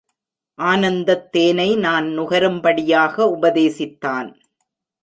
ஆனந்தத் தேனை நான் நுகரும்படியாக உபதேசித்தான்.